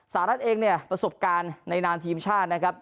สหรัฐเองเนี่ยประสบการณ์ในนามทีมชาตินะครับ